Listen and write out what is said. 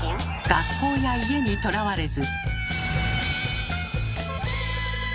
学校や家にとらわれず。